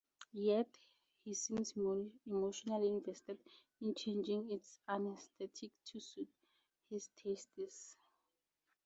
Yet, he seems emotionally invested in changing its aesthetics to suit his tastes.